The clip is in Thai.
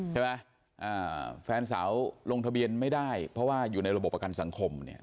ประกันสังคมแฟนสาวลงทะเบียนไม่ได้เพราะว่าอยู่ในระบบประกันสังคม